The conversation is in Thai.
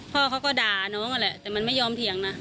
พ่อเขาก็ด่าน้องนั่นแหละแต่มันไม่ยอมเถียงนะ